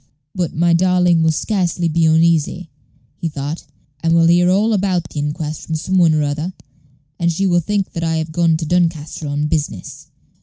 "But my darling will scarcely be uneasy," he thought; "she will hear all about the inquest from some one or other, and she will think that I have gone into Doncaster on business.